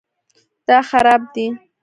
دا خراب دی